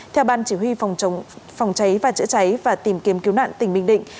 theo ban chỉ huy phòng chống phòng cháy và chữa cháy và tìm kiếm cứu nạn tỉnh bình định